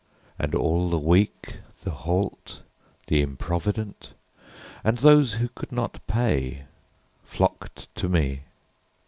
And all the weak, the halt, the improvident And those who could not pay flocked to me.